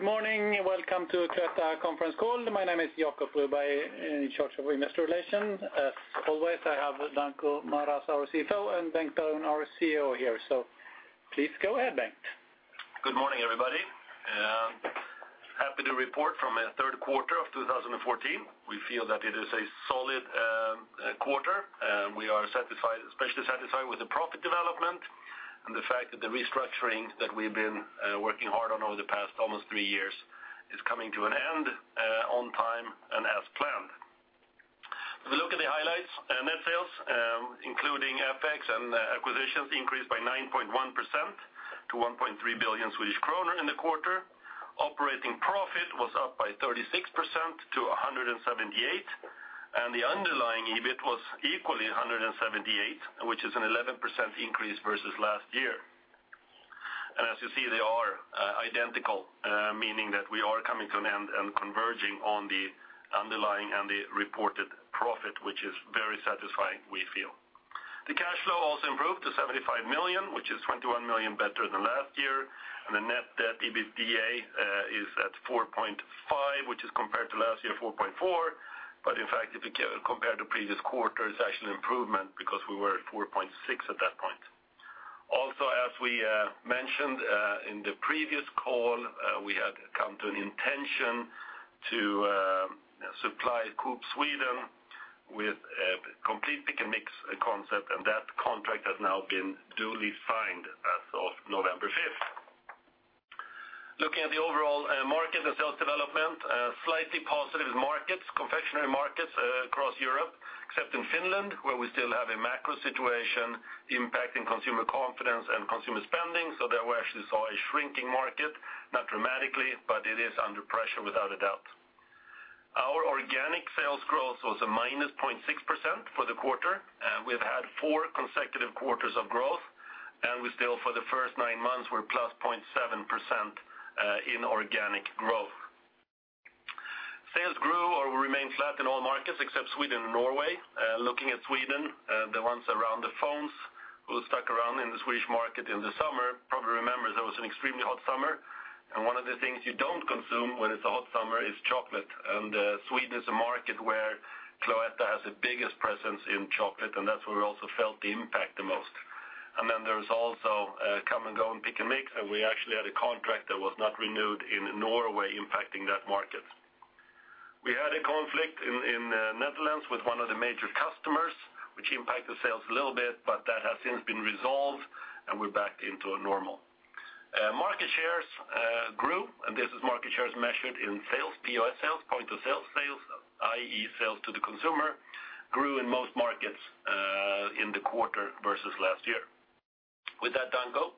Good morning and welcome to Cloetta Conference Call. My name is Jacob Broberg, in charge of investor relations. As always, I have Danko Maras, our CFO, and Bengt Baron, our CEO here. So please go ahead, Bengt. Good morning, everybody. Happy to report from third quarter of 2014. We feel that it is a solid quarter. We are especially satisfied with the profit development and the fact that the restructuring that we've been working hard on over the past almost three years is coming to an end on time and as planned. If we look at the highlights: net sales, including FX and acquisitions, increased by 9.1% to 1,300,000,000 Swedish kronor in the quarter. Operating profit was up by 36% to 178%, and the underlying EBIT was equally 178%, which is an 11% increase versus last year. And as you see, they are identical, meaning that we are coming to an end and converging on the underlying and the reported profit, which is very satisfying, we feel. The cash flow also improved to 75,000,000, which is 21,000,000 better than last year. The net debt EBITDA is at 4.5, which is compared to last year 4.4. In fact, if we compare to previous quarters, it's actually an improvement because we were at 4.6 at that point. Also, as we mentioned in the previous call, we had come to an intention to supply Coop Sweden with a complete pick-and-mix concept, and that contract has now been duly signed as of November 5th. Looking at the overall market and sales development, slightly positive is confectionery markets across Europe, except in Finland, where we still have a macro situation impacting consumer confidence and consumer spending. So there we actually saw a shrinking market, not dramatically, but it is under pressure, without a doubt. Our organic sales growth was a -0.6% for the quarter. We've had four consecutive quarters of growth, and we still, for the first nine months, were +0.7% in organic growth. Sales grew or remained flat in all markets except Sweden and Norway. Looking at Sweden, the ones around the phones who stuck around in the Swedish market in the summer probably remember there was an extremely hot summer. And one of the things you don't consume when it's a hot summer is chocolate. And Sweden is a market where Cloetta has the biggest presence in chocolate, and that's where we also felt the impact the most. And then there's also come and go and pick-and-mix, and we actually had a contract that was not renewed in Norway impacting that market. We had a conflict in the Netherlands with one of the major customers, which impacted sales a little bit, but that has since been resolved, and we're back into normal. Market shares grew, and this is market shares measured in POS sales, point of sale sales, i.e., sales to the consumer, grew in most markets in the quarter versus last year. With that, Danko.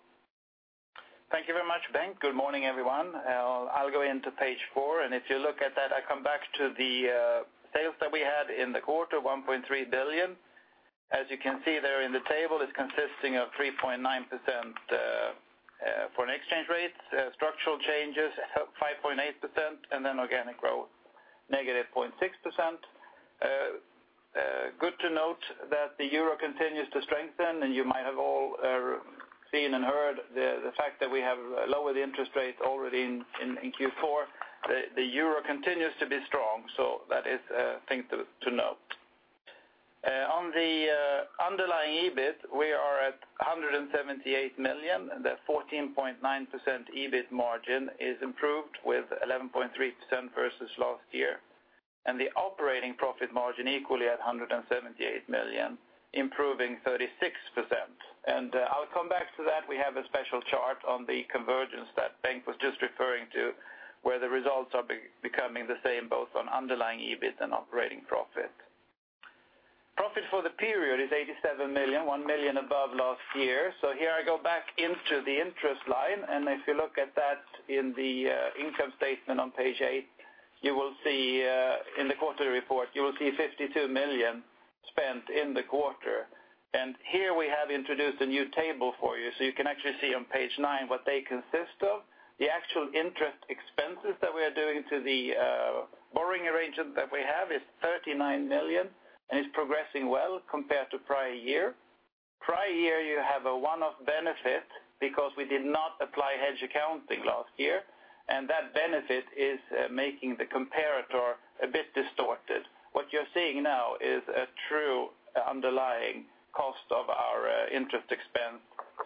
Thank you very much, Bengt. Good morning, everyone. I'll go into page four, and if you look at that, I come back to the sales that we had in the quarter, 1,300,000,000. As you can see there in the table, it's consisting of 3.9% for an exchange rate, structural changes 5.8%, and then organic growth -0.6%. Good to note that the euro continues to strengthen, and you might have all seen and heard the fact that we have lowered the interest rates already in Q4. The euro continues to be strong, so that is a thing to note. On the underlying EBIT, we are at 178,000,000. The 14.9% EBIT margin is improved with 11.3% versus last year, and the operating profit margin equally at 178,000,000, improving 36%. I'll come back to that. We have a special chart on the convergence that Bengt was just referring to, where the results are becoming the same both on underlying EBIT and operating profit. Profit for the period is 87,000,000, 1,000,000 above last year. So here I go back into the interest line, and if you look at that in the income statement on page 8, you will see in the quarterly report, you will see 52,000,000 spent in the quarter. And here we have introduced a new table for you, so you can actually see on page 9 what they consist of. The actual interest expenses that we are doing to the borrowing arrangement that we have is 39,000,000, and it's progressing well compared to prior year. Prior year, you have a one-off benefit because we did not apply hedge accounting last year, and that benefit is making the comparator a bit distorted. What you're seeing now is a true underlying cost of our interest expense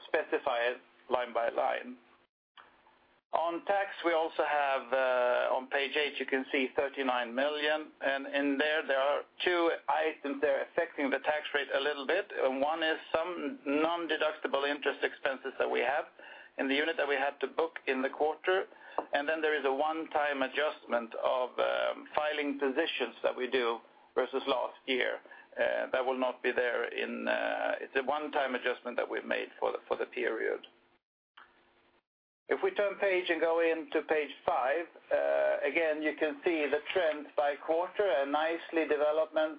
specified line by line. On tax, we also have on page 8, you can see 39,000,000. And in there, there are two items that are affecting the tax rate a little bit. One is some non-deductible interest expenses that we have in the unit that we had to book in the quarter. And then there is a one-time adjustment of filing positions that we do versus last year that will not be there in. It's a one-time adjustment that we've made for the period. If we turn page and go into page 5, again, you can see the trend by quarter, a nice development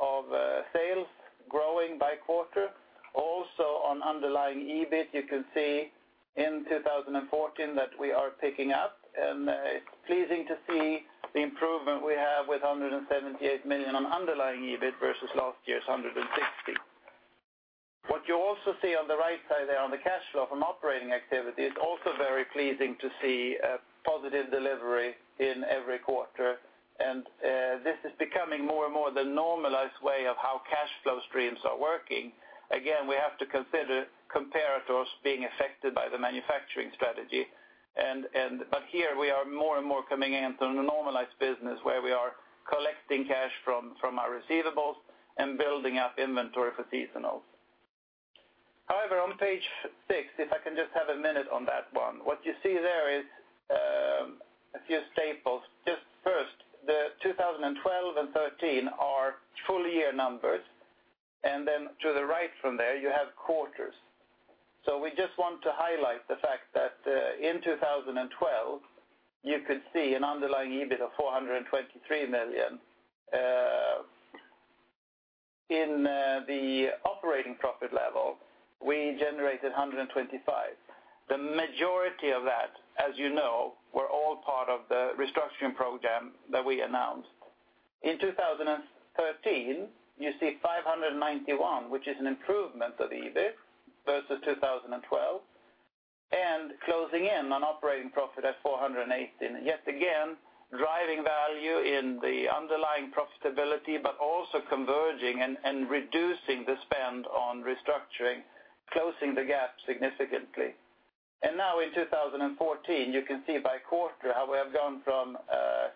of sales growing by quarter. Also on underlying EBIT, you can see in 2014 that we are picking up, and it's pleasing to see the improvement we have with 178,000,000 on underlying EBIT versus last year's 160,000,000. What you also see on the right side there on the cash flow from operating activity is also very pleasing to see positive delivery in every quarter. This is becoming more and more the normalized way of how cash flow streams are working. Again, we have to consider comparators being affected by the manufacturing strategy. But here we are more and more coming into a normalized business where we are collecting cash from our receivables and building up inventory for seasonals. However, on page six, if I can just have a minute on that one, what you see there is a few staples. Just first, the 2012 and 2013 are full-year numbers, and then to the right from there, you have quarters. So we just want to highlight the fact that in 2012, you could see an underlying EBIT of 423,000,000. In the operating profit level, we generated 125,000,000. The majority of that, as you know, were all part of the restructuring program that we announced. In 2013, you see 591,000,000, which is an improvement of EBIT versus 2012, and closing in on operating profit at 418,000,000. Yet again, driving value in the underlying profitability but also converging and reducing the spend on restructuring, closing the gap significantly. And now in 2014, you can see by quarter how we have gone from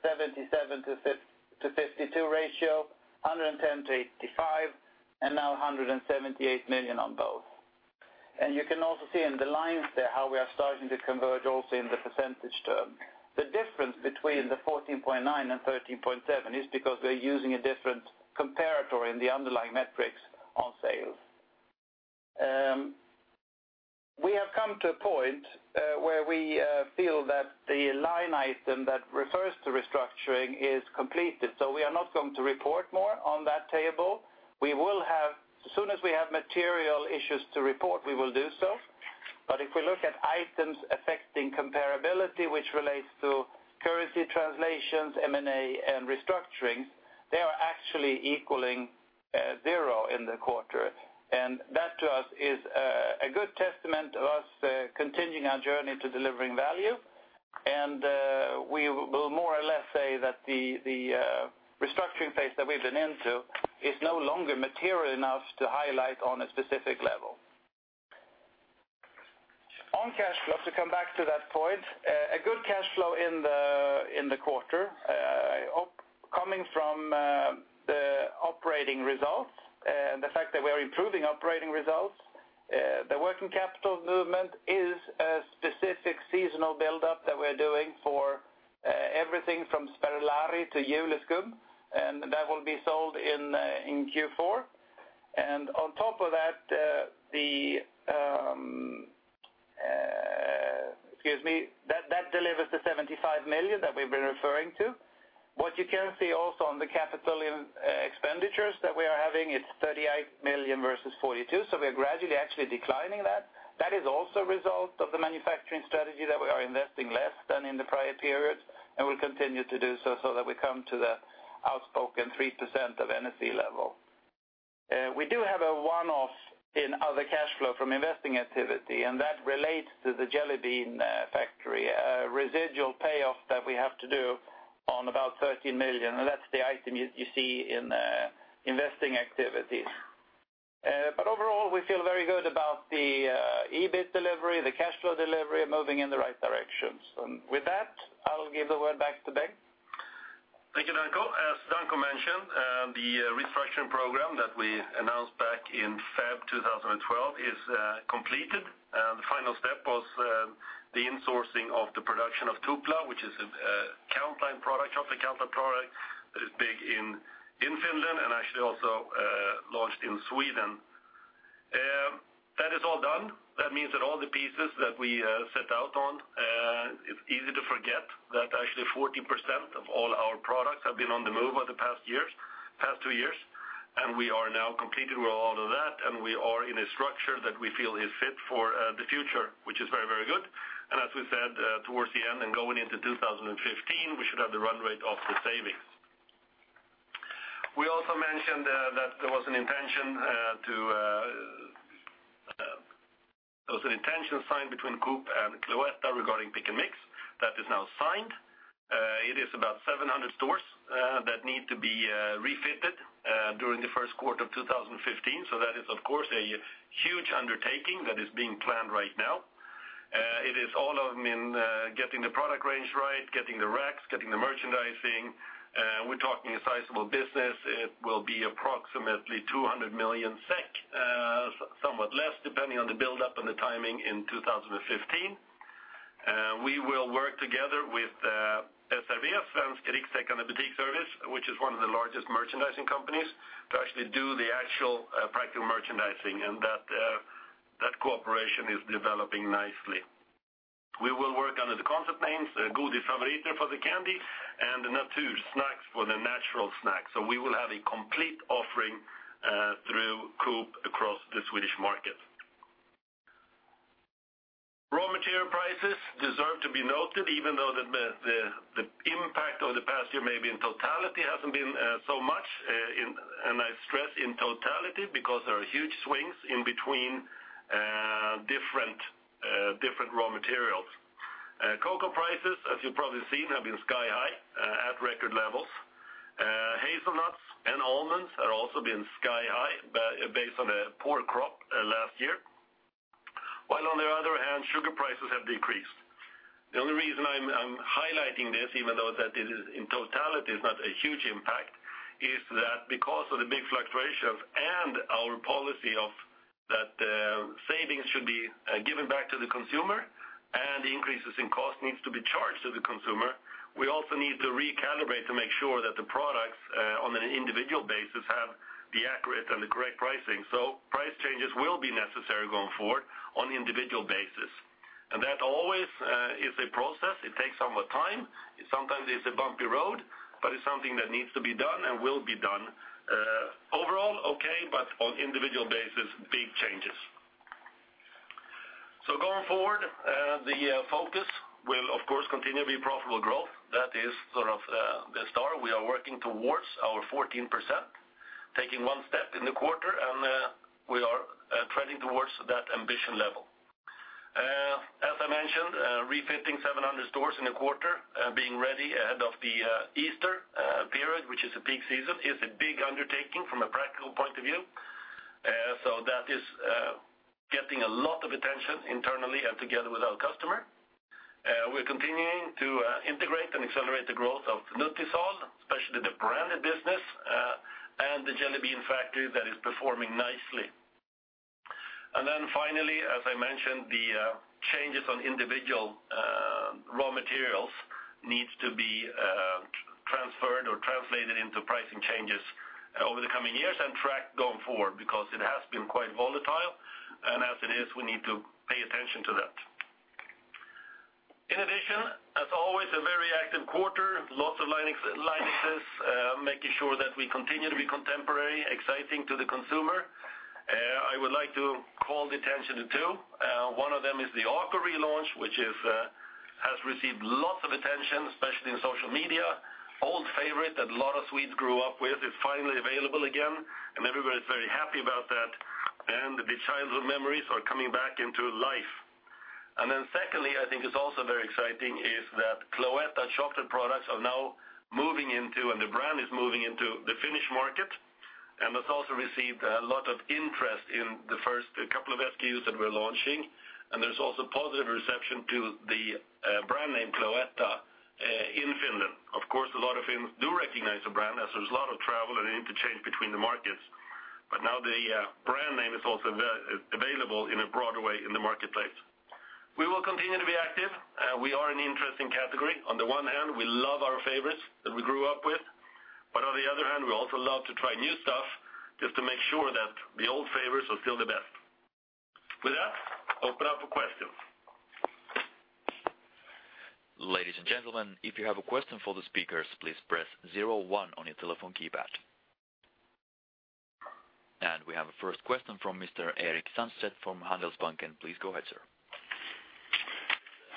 77,000,000-52,000,000 ratio, 110,000,000-85,000,000, and now 178,000,000 on both. You can also see in the lines there how we are starting to converge also in the percentage term. The difference between the 14.9 and 13.7 is because we're using a different comparator in the underlying metrics on sales. We have come to a point where we feel that the line item that refers to restructuring is completed. So we are not going to report more on that table. As soon as we have material issues to report, we will do so. But if we look at items affecting comparability, which relates to currency translations, M&A, and restructurings, they are actually equaling zero in the quarter. And that, to us, is a good testament of us continuing our journey to delivering value. And we will more or less say that the restructuring phase that we've been into is no longer material enough to highlight on a specific level. On cash flow, to come back to that point, a good cash flow in the quarter coming from the operating results and the fact that we are improving operating results. The working capital movement is a specific seasonal buildup that we're doing for everything from Sperlari to Juleskum, and that will be sold in Q4. On top of that, excuse me, that delivers the 75,000,000 that we've been referring to. What you can see also on the capital expenditures that we are having, it's 38,000,000 versus 42,000,000, so we are gradually actually declining that. That is also a result of the manufacturing strategy that we are investing less than in the prior period and will continue to do so so that we come to the outspoken 3% of NS level. We do have a one-off in other cash flow from investing activity, and that relates to The Jelly Bean Factory, a residual payoff that we have to do on about 13,000,000. That's the item you see in investing activities. Overall, we feel very good about the EBIT delivery, the cash flow delivery, moving in the right direction. With that, I'll give the word back to Bengt. Thank you, Danko. As Danko mentioned, the restructuring program that we announced back in February 2012 is completed. The final step was the insourcing of the production of Tupla, which is a countline product, chocolate countline product that is big in Finland and actually also launched in Sweden. That is all done. That means that all the pieces that we set out on, it's easy to forget that actually 40% of all our products have been on the move over the past two years, and we are now completed with all of that, and we are in a structure that we feel is fit for the future, which is very, very good. And as we said, towards the end and going into 2015, we should have the run rate off the savings. We also mentioned that there was an intention signed between Coop and Cloetta regarding pick-and-mix. That is now signed. It is about 700 stores that need to be refitted during the first quarter of 2015. So that is, of course, a huge undertaking that is being planned right now. It is all of them in getting the product range right, getting the racks, getting the merchandising. We're talking a sizable business. It will be approximately 200,000,000 SEK, somewhat less depending on the buildup and the timing in 2015. We will work together with SRB, Svensk Rikstäckande Butiksservice, which is one of the largest merchandising companies, to actually do the actual practical merchandising, and that cooperation is developing nicely. We will work under the concept names Godisfavoriter for the candy and Natursnacks for the natural snack. So we will have a complete offering through Coop across the Swedish market. Raw material prices deserve to be noted, even though the impact of the past year, maybe in totality, hasn't been so much. I stress in totality because there are huge swings in between different raw materials. Cocoa prices, as you've probably seen, have been sky-high at record levels. Hazelnuts and almonds have also been sky-high based on a poor crop last year, while on the other hand, sugar prices have decreased. The only reason I'm highlighting this, even though in totality it's not a huge impact, is that because of the big fluctuations and our policy of that savings should be given back to the consumer and increases in cost needs to be charged to the consumer, we also need to recalibrate to make sure that the products on an individual basis have the accurate and the correct pricing. So price changes will be necessary going forward on an individual basis. And that always is a process. It takes somewhat time. Sometimes it's a bumpy road, but it's something that needs to be done and will be done. Overall, okay, but on individual basis, big changes. So going forward, the focus will, of course, continue to be profitable growth. That is sort of the star. We are working towards our 14%, taking one step in the quarter, and we are treading towards that ambition level. As I mentioned, refitting 700 stores in a quarter, being ready ahead of the Easter period, which is a peak season, is a big undertaking from a practical point of view. So that is getting a lot of attention internally and together with our customer. We're continuing to integrate and accelerate the growth of Nutisal, especially the branded business, and the Jelly Bean Factory that is performing nicely. And then finally, as I mentioned, the changes on individual raw materials need to be transferred or translated into pricing changes over the coming years and tracked going forward because it has been quite volatile. And as it is, we need to pay attention to that. In addition, as always, a very active quarter, lots of line exits, making sure that we continue to be contemporary, exciting to the consumer. I would like to call the attention to two. One of them is the Ako relaunch, which has received lots of attention, especially in social media. Old favorite that a lot of Swedes grew up with is finally available again, and everybody's very happy about that, and the childhood memories are coming back into life. And then secondly, I think it's also very exciting is that Cloetta chocolate products are now moving into, and the brand is moving into, the Finnish market. And that's also received a lot of interest in the first couple of SKUs that we're launching. And there's also positive reception to the brand name Cloetta in Finland. Of course, a lot of Finns do recognize the brand as there's a lot of travel and interchange between the markets. But now the brand name is also available in a broader way in the marketplace. We will continue to be active. We are an interesting category. On the one hand, we love our favorites that we grew up with. But on the other hand, we also love to try new stuff just to make sure that the old favorites are still the best. With that, open up for questions. Ladies and gentlemen, if you have a question for the speakers, please press 01 on your telephone keypad. We have a first question from Mr. Erik Sandstedt from Handelsbanken. Please go ahead, sir.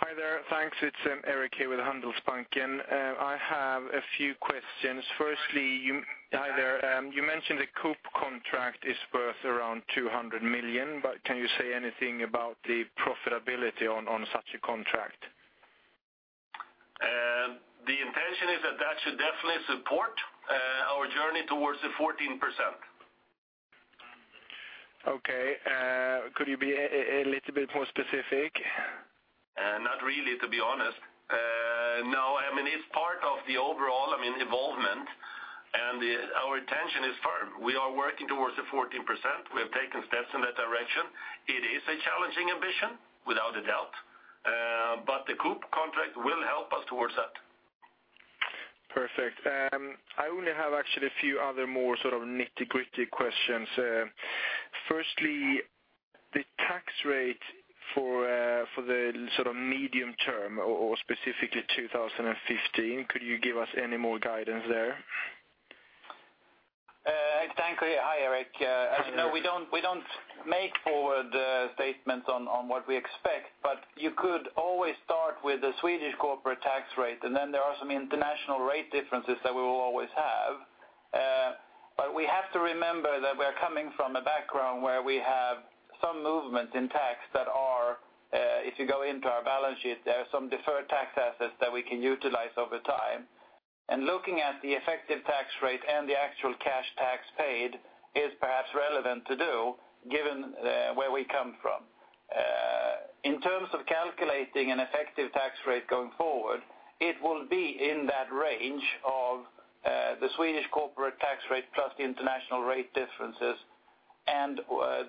Hi there. Thanks. It's Erik here with Handelsbanken. I have a few questions. Firstly, hi there. You mentioned the Coop contract is worth around 200,000,000, but can you say anything about the profitability on such a contract? The intention is that that should definitely support our journey towards the 14%. Okay. Could you be a little bit more specific? Not really, to be honest. No. I mean, it's part of the overall, I mean, evolvement, and our intention is firm. We are working towards the 14%. We have taken steps in that direction. It is a challenging ambition, without a doubt. But the Coop contract will help us towards that. Perfect. I only have actually a few other more sort of nitty-gritty questions. Firstly, the tax rate for the sort of medium term, or specifically 2015, could you give us any more guidance there? Thank you. Hi, Erik. As you know, we don't make forward statements on what we expect, but you could always start with the Swedish corporate tax rate, and then there are some international rate differences that we will always have. But we have to remember that we are coming from a background where we have some movements in tax that are, if you go into our balance sheet, there are some deferred tax assets that we can utilize over time. And looking at the effective tax rate and the actual cash tax paid is perhaps relevant to do given where we come from. In terms of calculating an effective tax rate going forward, it will be in that range of the Swedish corporate tax rate plus the international rate differences and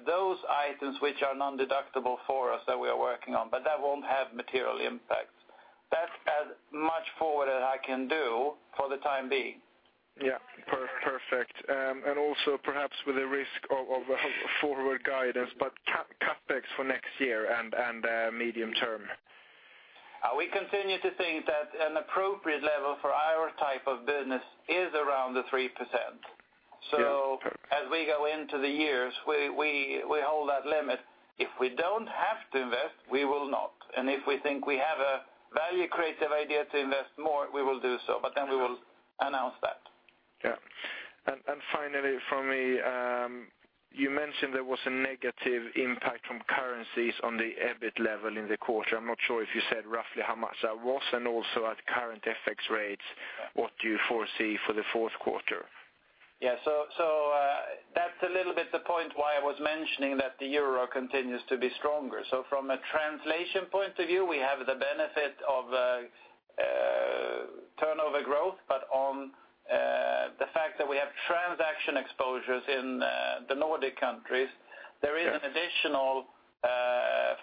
those items which are non-deductible for us that we are working on, but that won't have material impacts. That's as much forward as I can do for the time being. Yeah. Perfect. And also perhaps with a risk of forward guidance, but cutbacks for next year and medium term. We continue to think that an appropriate level for our type of business is around the 3%. So as we go into the years, we hold that limit. If we don't have to invest, we will not. And if we think we have a value-creative idea to invest more, we will do so, but then we will announce that. Yeah. Finally, from me, you mentioned there was a negative impact from currencies on the EBIT level in the quarter. I'm not sure if you said roughly how much that was. Also at current FX rates, what do you foresee for the fourth quarter? Yeah. So that's a little bit the point why I was mentioning that the euro continues to be stronger. So from a translation point of view, we have the benefit of turnover growth, but on the fact that we have transaction exposures in the Nordic countries, there is an additional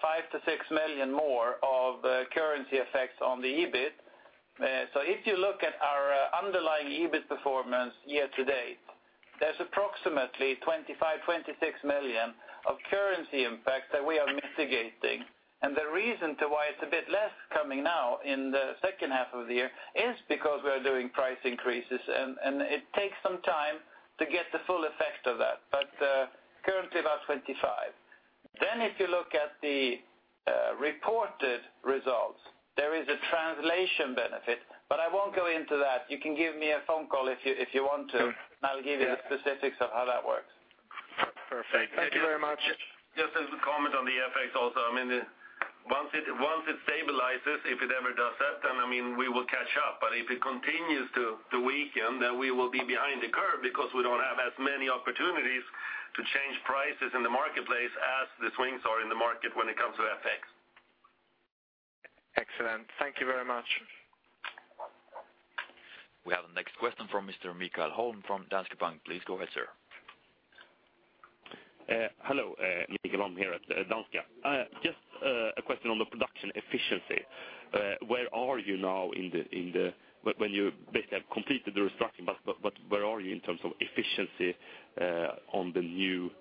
5,000,000-6,000,000 more of currency effects on the EBIT. So if you look at our underlying EBIT performance year to date, there's approximately 25,000,000-26,000,000 of currency impacts that we are mitigating. And the reason to why it's a bit less coming now in the second half of the year is because we are doing price increases, and it takes some time to get the full effect of that, but currently about 25,000,000. Then if you look at the reported results, there is a translation benefit, but I won't go into that. You can give me a phone call if you want to, and I'll give you the specifics of how that works. Perfect. Thank you very much. Just as a comment on the FX also, I mean, once it stabilizes, if it ever does that, then I mean, we will catch up. But if it continues to weaken, then we will be behind the curve because we don't have as many opportunities to change prices in the marketplace as the swings are in the market when it comes to FX. Excellent. Thank you very much. We have the next question from Mr. Mikael Holm from Danske Bank. Please go ahead, sir. Hello. Mikael Holm here at Danske. Just a question on the production efficiency. Where are you now in the when you basically have completed the restructuring, but where are you in terms of efficiency on the new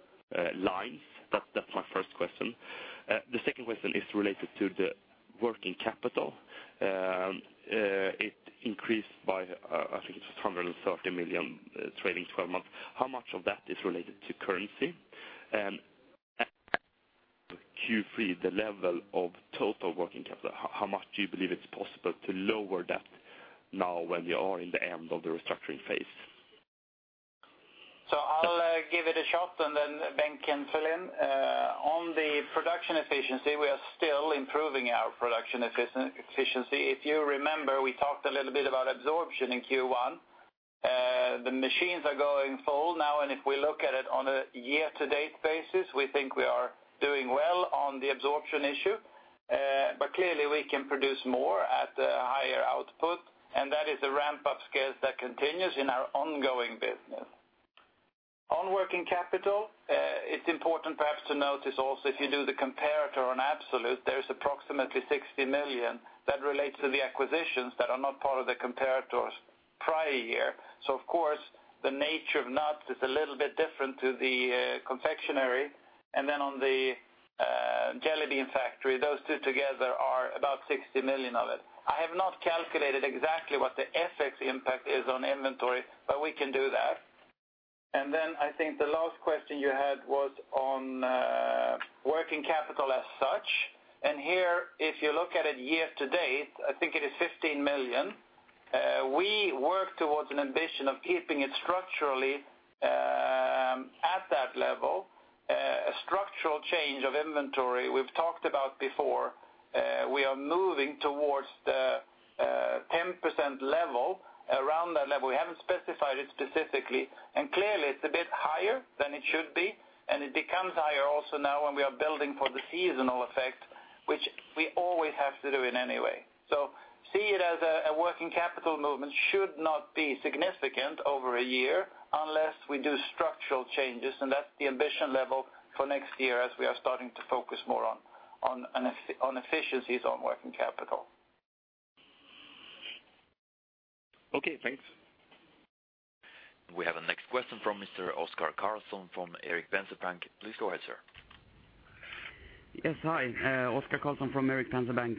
lines? That's my first question. The second question is related to the working capital. It increased by, I think it was 130,000,000 trailing 12 months. How much of that is related to currency? And Q3, the level of total working capital, how much do you believe it's possible to lower that now when you are in the end of the restructuring phase? So I'll give it a shot, and then Bengt can fill in. On the production efficiency, we are still improving our production efficiency. If you remember, we talked a little bit about absorption in Q1. The machines are going full now, and if we look at it on a year-to-date basis, we think we are doing well on the absorption issue. But clearly, we can produce more at a higher output, and that is a ramp-up scale that continues in our ongoing business. On working capital, it's important perhaps to notice also if you do the comparator on absolute, there's approximately 60,000,000 that relates to the acquisitions that are not part of the comparator's prior year. So of course, the nature of nuts is a little bit different to the confectionery. And then on the Jelly Bean Factory, those two together are about 60,000,000 of it. I have not calculated exactly what the FX impact is on inventory, but we can do that. Then I think the last question you had was on working capital as such. Here, if you look at it year to date, I think it is 15,000,000. We work towards an ambition of keeping it structurally at that level. A structural change of inventory, we've talked about before. We are moving towards the 10% level. Around that level, we haven't specified it specifically. Clearly, it's a bit higher than it should be, and it becomes higher also now when we are building for the seasonal effect, which we always have to do in any way. See it as a working capital movement should not be significant over a year unless we do structural changes. That's the ambition level for next year as we are starting to focus more on efficiencies on working capital. Okay. Thanks. We have the next question from Mr. Oscar Karlsson from Erik Penser Bank. Please go ahead, sir. Yes. Hi. Oscar Karlsson from Erik Penser Bank.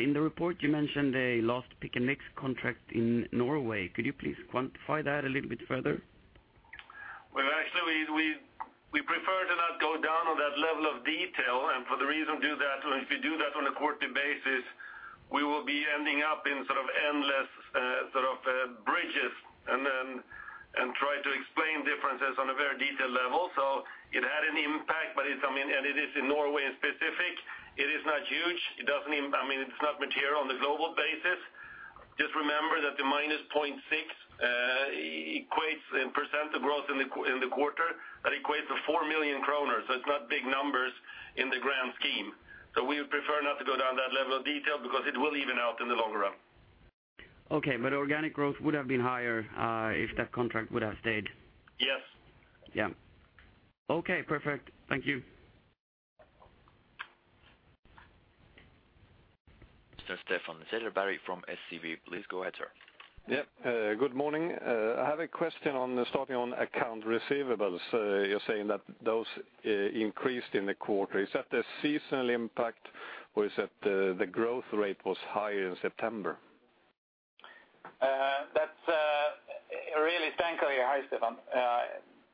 In the report, you mentioned a lost pick-and-mix contract in Norway. Could you please quantify that a little bit further? Actually, we prefer to not go down on that level of detail. For the reason we do that, if we do that on a quarterly basis, we will be ending up in sort of endless sort of bridges and try to explain differences on a very detailed level. It had an impact, but I mean, and it is in Norway in specific. It is not huge. I mean, it's not material on the global basis. Just remember that the -0.6% equates in percent of growth in the quarter. That equates to 4,000,000 kronor. It's not big numbers in the grand scheme. We would prefer not to go down that level of detail because it will even out in the longer run. Okay. But organic growth would have been higher if that contract would have stayed? Yes. Yeah. Okay. Perfect. Thank you. Mr. Stefan Cederberg from SEB. Please go ahead, sir. Yep. Good morning. I have a question starting on accounts receivable. You're saying that those increased in the quarter. Is that the seasonal impact, or is it the growth rate was higher in September? That's really. Thank you. Hi, Stefan.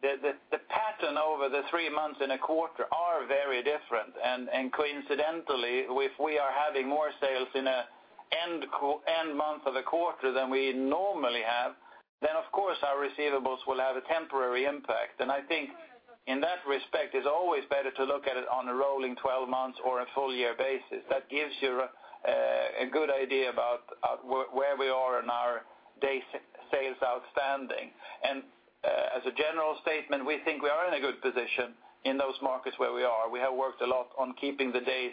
The pattern over the three months in a quarter is very different. Coincidentally, if we are having more sales in the end month of a quarter than we normally have, then of course, our receivables will have a temporary impact. And I think in that respect, it's always better to look at it on a rolling 12 months or a full-year basis. That gives you a good idea about where we are in our days sales outstanding. And as a general statement, we think we are in a good position in those markets where we are. We have worked a lot on keeping the days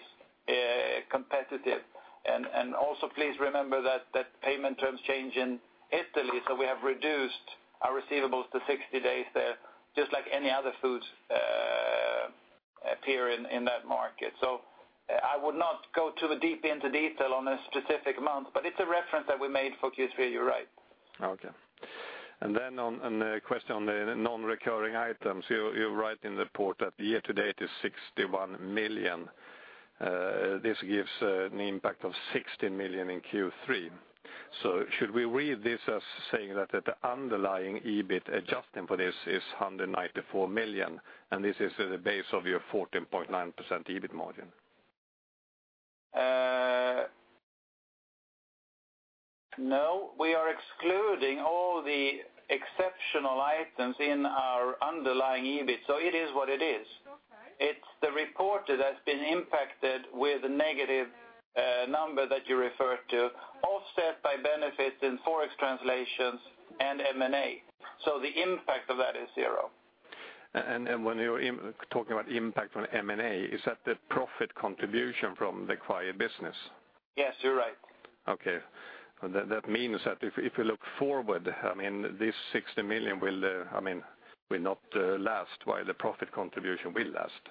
competitive. And also please remember that payment terms changed in Italy, so we have reduced our receivables to 60 days there just like any other food supplier in that market. I would not go too deep into detail on a specific month, but it's a reference that we made for Q3. You're right. Okay. And then a question on the non-recurring items. You write in the report that year to date is 61,000,000. This gives an impact of 16,000,000 in Q3. So should we read this as saying that the underlying EBIT adjusting for this is 194,000,000, and this is at the base of your 14.9% EBIT margin? No. We are excluding all the exceptional items in our underlying EBIT. So it is what it is. It's the reported that's been impacted with a negative number that you referred to, offset by benefits in forex translations and M&A. So the impact of that is zero. When you're talking about impact on M&A, is that the profit contribution from the acquired business? Yes. You're right. Okay. That means that if you look forward, I mean, this 60,000,000 will not last while the profit contribution will last.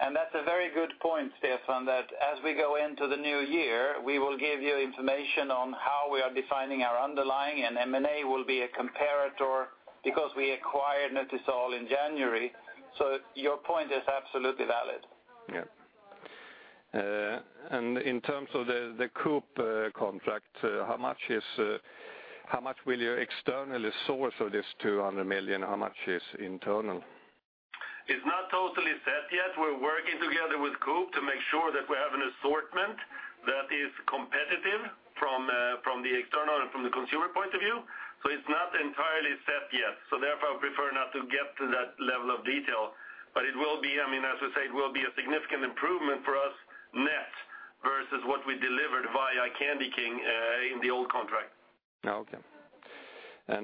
And that's a very good point, Stefan, that as we go into the new year, we will give you information on how we are defining our underlying, and M&A will be a comparator because we acquired Nutisal in January. So your point is absolutely valid. Yeah. And in terms of the Coop contract, how much will you externally source of this 200,000,000, and how much is internal? It's not totally set yet. We're working together with Coop to make sure that we have an assortment that is competitive from the external and from the consumer point of view. So it's not entirely set yet. So therefore, I would prefer not to get to that level of detail. But it will be, I mean, as we say, it will be a significant improvement for us net versus what we delivered via Candy King in the old contract. Okay.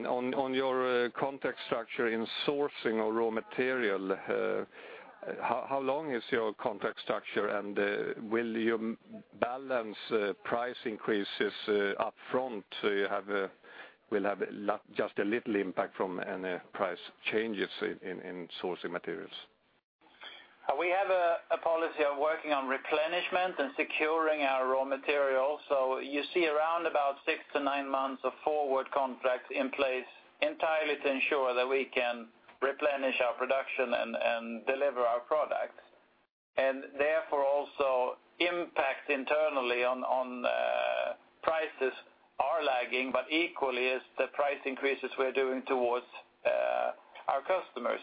On your contract structure in sourcing of raw material, how long is your contract structure, and will you balance price increases upfront? So you will have just a little impact from any price changes in sourcing materials? We have a policy of working on replenishment and securing our raw materials. So you see around about 6-9 months of forward contracts in place entirely to ensure that we can replenish our production and deliver our product. And therefore, also, impact internally on prices are lagging, but equally, it's the price increases we're doing towards our customers.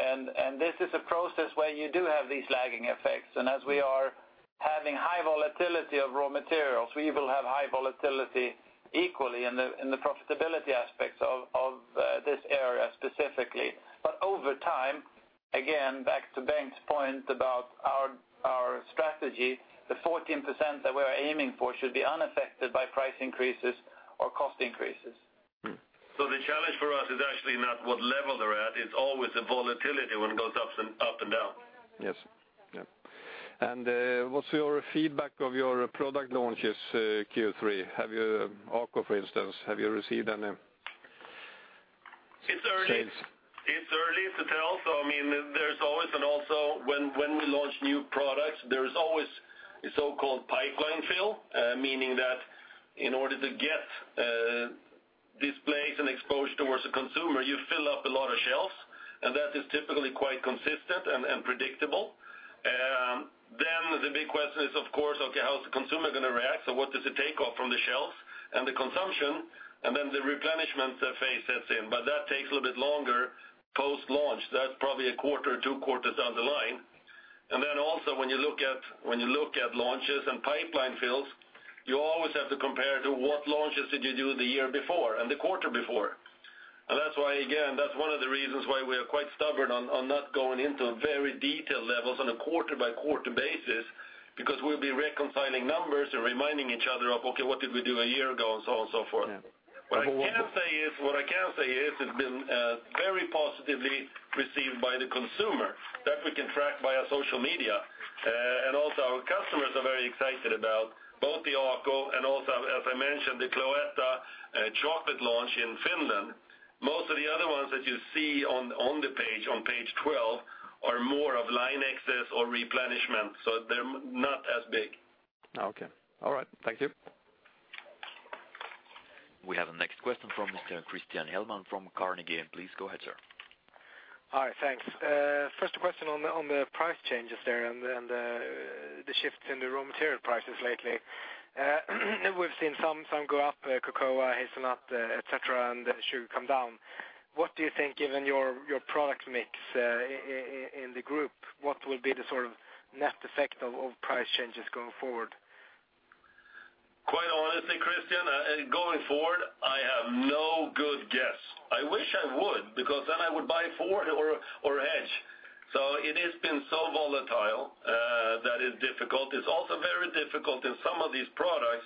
And this is a process where you do have these lagging effects. And as we are having high volatility of raw materials, we will have high volatility equally in the profitability aspects of this area specifically. But over time, again, back to Ben's point about our strategy, the 14% that we are aiming for should be unaffected by price increases or cost increases. The challenge for us is actually not what level they're at. It's always the volatility when it goes up and down. Yes. Yeah. And what's your feedback of your product launches Q3? Ako, for instance, have you received any sales? It's early to tell. So I mean, there's always an also when we launch new products. There's always a so-called pipeline fill, meaning that in order to get displays and exposure towards a consumer, you fill up a lot of shelves, and that is typically quite consistent and predictable. Then the big question is, of course, okay, how's the consumer going to react? So what does it take off from the shelves and the consumption? And then the replenishment phase sets in. But that takes a little bit longer post-launch. That's probably a quarter or two quarters down the line. And then also, when you look at launches and pipeline fills, you always have to compare to what launches did you do the year before and the quarter before. And that's why, again, that's one of the reasons why we are quite stubborn on not going into very detailed levels on a quarter-by-quarter basis because we'll be reconciling numbers and reminding each other of, "Okay, what did we do a year ago," and so on and so forth. What I can say is what I can say is it's been very positively received by the consumer. That we can track via social media. And also, our customers are very excited about both the Ako and also, as I mentioned, the Cloetta chocolate launch in Finland. Most of the other ones that you see on the page, on page 12, are more of line extensions or replenishment. So they're not as big. Okay. All right. Thank you. We have the next question from Mr. Christian Hellman from Carnegie. Please go ahead, sir. All right. Thanks. First question on the price changes there and the shifts in the raw material prices lately. We've seen some go up, cocoa, hazelnut, etc., and sugar come down. What do you think, given your product mix in the group, what will be the sort of net effect of price changes going forward? Quite honestly, Christian, going forward, I have no good guess. I wish I would because then I would buy forward or hedge. So it has been so volatile that it's difficult. It's also very difficult in some of these products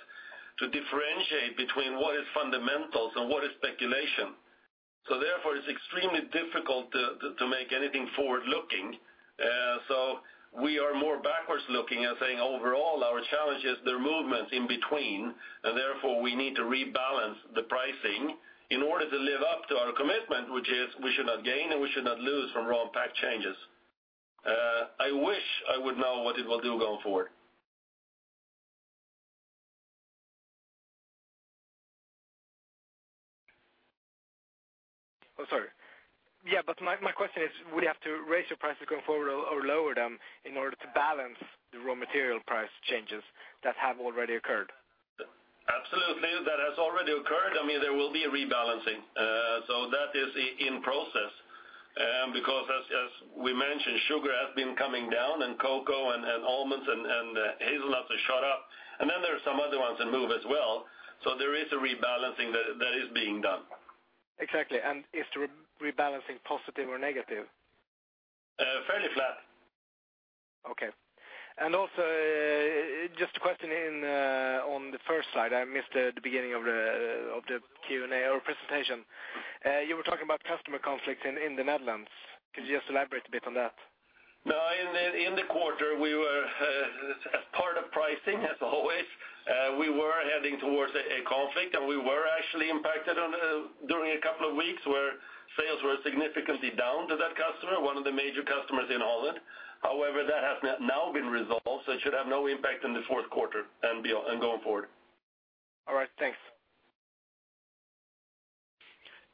to differentiate between what is fundamentals and what is speculation. So therefore, it's extremely difficult to make anything forward-looking. So we are more backwards-looking and saying overall, our challenge is their movements in between. And therefore, we need to rebalance the pricing in order to live up to our commitment, which is we should not gain and we should not lose from raw mat changes. I wish I would know what it will do going forward. Oh, sorry. Yeah. But my question is, would you have to raise your prices going forward or lower them in order to balance the raw material price changes that have already occurred? Absolutely. That has already occurred. I mean, there will be a rebalancing. So that is in process because, as we mentioned, sugar has been coming down, and cocoa and almonds and hazelnuts have shot up. And then there are some other ones that move as well. So there is a rebalancing that is being done. Exactly. And is the rebalancing positive or negative? Fairly flat. Okay. Also, just a question on the first slide. I missed the beginning of the Q&A or presentation. You were talking about customer conflicts in the Netherlands. Could you just elaborate a bit on that No. In the quarter, as part of pricing, as always, we were heading towards a conflict, and we were actually impacted during a couple of weeks where sales were significantly down to that customer, one of the major customers in the Netherlands. However, that has now been resolved, so it should have no impact in the fourth quarter and going forward. All right. Thanks.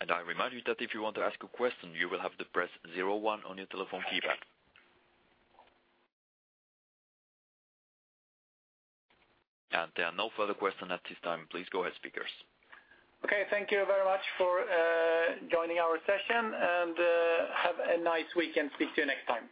I remind you that if you want to ask a question, you will have to press 01 on your telephone keypad. There are no further questions at this time. Please go ahead, speakers. Okay. Thank you very much for joining our session. Have a nice weekend. Speak to you next time.